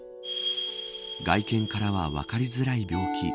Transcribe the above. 外見からは分かりづらい病気。